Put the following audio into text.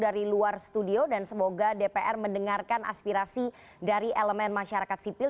dan semoga dpr mendengarkan aspirasi dari elemen masyarakat sipil